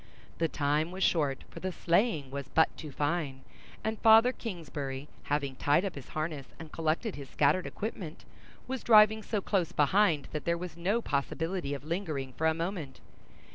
The time was short, for the sleighing was but too fine; and Father Kingsbury, having tied up his harness, and collected his scattered equipment, was driving so close behind that there was no possibility of lingering for a moment.